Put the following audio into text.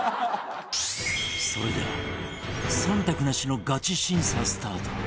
それでは忖度なしのガチ審査スタート